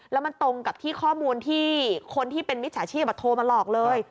แล้วมันตรงกับที่ข้อมูลที่คนที่เป็นมิจฉาชีพโทรมาหลอกเลย